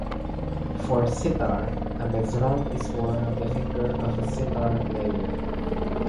For sitar, a mezrab is worn on the finger of a sitar player.